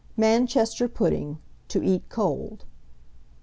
MANCHESTER PUDDING (to eat Cold).